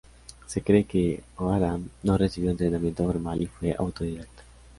Se cree que O'Hara no recibió entrenamiento formal y fue autodidacta.